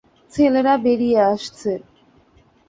ছেলেরা বেরিয়ে আসছে।